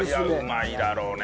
うまいだろうね